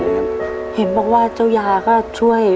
เห็นบอกว่าเจ้ายาก็ช่วย